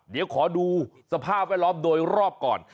เดี๋ยวขอดูสภาพแวดล้อมโดยรอบก่อน